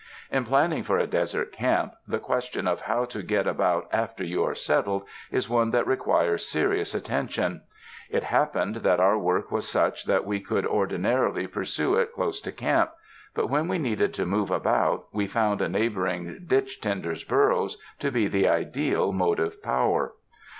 In planning for a desert camp, the question of how to get about after you are settled, is one that requires serious attention. It happened that our work was such that we could ordinarily pursue it close to camp, but when we needed to move about we found a neighboring ditch tender's burros to be the ideal motive power.